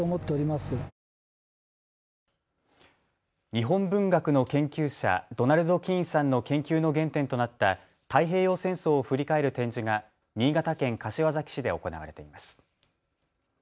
日本文学の研究者、ドナルド・キーンさんの研究の原点となった太平洋戦争を振り返る展示が新潟県柏崎市で行われています。